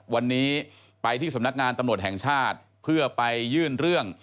วันนี้ไปที่สำนักงานตำรวจแห่งชาติเพื่อไปยื่นเรื่อง